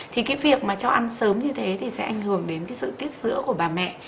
thì cái việc mà cho ăn sớm như thế thì sẽ ảnh hưởng đến cái sự tiết giữa của bà mẹ